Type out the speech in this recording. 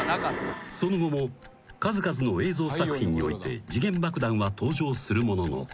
［その後も数々の映像作品において時限爆弾は登場するものの］